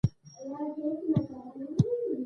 پسه د شخړې خوا نه ځي.